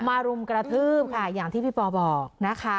รุมกระทืบค่ะอย่างที่พี่ปอบอกนะคะ